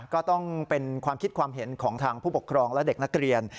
ก็ต้องเป็นความคิดความเห็นของทางผู้ปกครองและเด็กนักเรียน